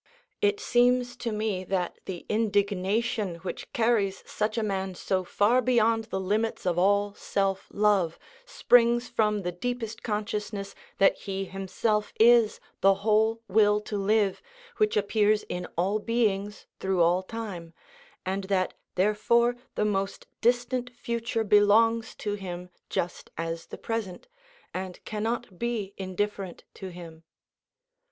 It seems to me that the indignation which carries such a man so far beyond the limits of all self love springs from the deepest consciousness that he himself is the whole will to live, which appears in all beings through all time, and that therefore the most distant future belongs to him just as the present, and cannot be indifferent to him.